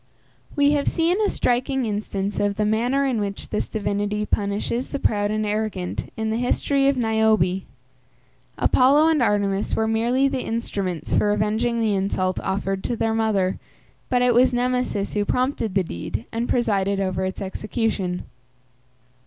We have seen a striking instance of the manner in which this divinity punishes the proud and arrogant in the history of Niobe. Apollo and Artemis were merely the instruments for avenging the insult offered to their mother; but it was Nemesis who prompted the deed, and presided over its execution.